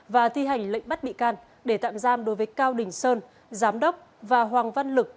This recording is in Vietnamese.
và thi hành lệnh bắt bị can để tạm giam đối với cao đình sơn giám đốc và hoàng văn lực